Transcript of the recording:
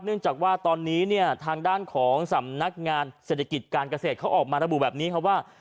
เนื่องจากว่าตอนนี้เนี่ยทางด้านของสำนักงานเศรษฐกิจการเกษตรเขาออกมาระบุแบบนี้ครับว่า